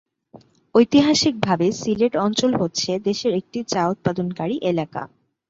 ঐতিহাসিকভাবে সিলেট অঞ্চল হচ্ছে দেশের একটি চা উৎপাদনকারী এলাকা।